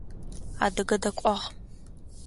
Адыгэ дакӏуагъ.